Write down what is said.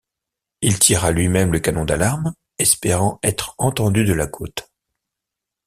Il tira lui-même le canon d’alarme, espérant être entendu de la côte.